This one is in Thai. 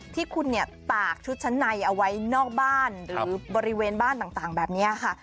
ที่คุณเนี่ยตากชุดชั้นในเอาไว้นอกบ้านหรือบริเวณบ้านต่างแบบนี้ค่ะ